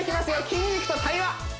筋肉と対話！